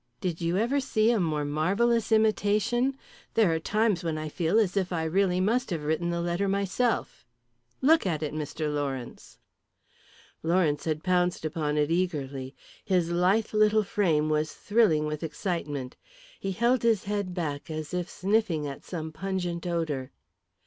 Did you ever see a more marvellous imitation? There are times when I feel as if I really must have written the letter myself. Look at it, Mr. Lawrence." Lawrence had pounced upon it eagerly. His lithe little frame was thrilling with excitement. He held his head back as if sniffing at some pungent odour.